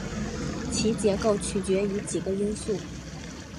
其结构取决于几个因素。